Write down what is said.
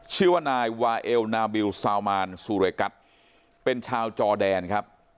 ชื่อว่านายวาเอลนาบิลซาวมานซูเรกัสเป็นชาวจอแดนครับ